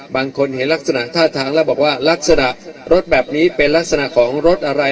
บางคนเห็นลักษณะท่าทางแล้วบอกว่าลักษณะรถแบบนี้เป็นลักษณะของรถอะไร